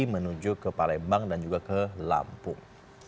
menuju ke palembang dan juga ke lampung